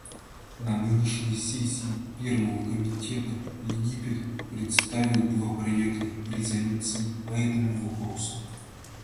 На нынешней сессии Первого комитета Египет представил два проекта резолюций по этому вопросу.